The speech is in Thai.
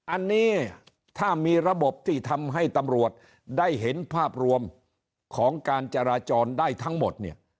อันนี้ถ้ามีระบบที่ทำให้ตำรวจได้เห็นภาพรวมของการจราจรได้ทั้งหมดเนี่ย